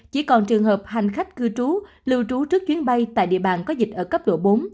chỉ còn trường hợp hành khách cư trú lưu trú trước chuyến bay tại địa bàn có dịch ở cấp độ bốn